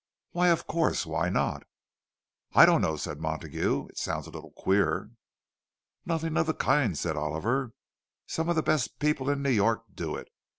"Why, of course. Why not?" "I don't know," said Montague. "It sounds a little queer." "Nothing of the kind," said Oliver. "Some of the best people in New York do it.